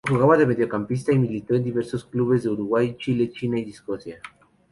Jugaba de mediocampista y militó en diversos clubes de Uruguay, Chile, China y Escocia.